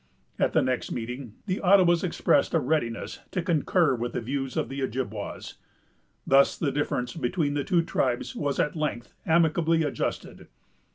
At the next meeting, the Ottawas expressed a readiness to concur with the views of the Ojibwas. Thus the difference between the two tribes was at length amicably adjusted.